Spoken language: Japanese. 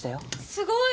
すごい！